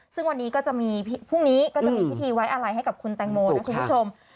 ซึ่งวันนี้ก็จะมีพรุ่งนี้ก็จะมีพิธีไว้อะไรให้กับคุณแตงโมนะคุณผู้ชม